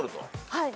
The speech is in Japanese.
はい。